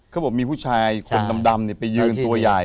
เขาบอกมีผู้ชายคนดำไปยืนตัวใหญ่